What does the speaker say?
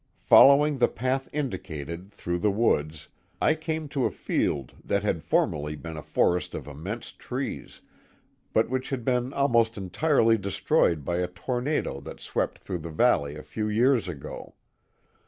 Following the path indicated, through the woods. I came to a field that hiid formerly been a forest of immense trees, but which had been almost entirely destroyed by a tor nado that swept through the valley a few years ago.